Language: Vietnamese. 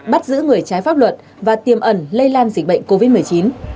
bắt giữ người trái pháp luật và tiêm ẩn lây lan dịch bệnh covid một mươi chín